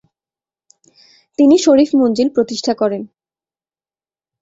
তিনি শরিফ মঞ্জিল প্রতিষ্ঠা করেন।